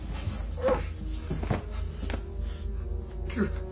あっ！